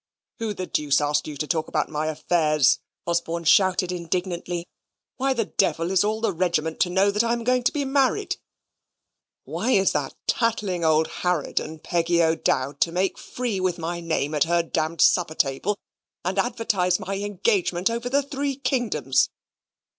"Who the deuce asked you to talk about my affairs?" Osborne shouted indignantly. "Why the devil is all the regiment to know that I am going to be married? Why is that tattling old harridan, Peggy O'Dowd, to make free with my name at her d d supper table, and advertise my engagement over the three kingdoms?